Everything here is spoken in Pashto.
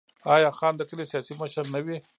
آیا خان د کلي سیاسي مشر نه وي؟